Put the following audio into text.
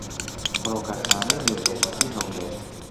فڕۆکەخانەی نێودەوڵەتیی هەولێر